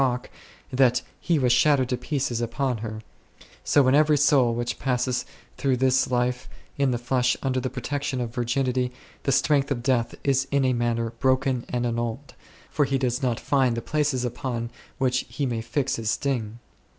rock, that he was shattered to pieces upon her, so in every soul which passes through this life in the flesh under the protection of virginity, the strength of death is in a manner broken and annulled, for he does not find the places upon which he may fix his sting.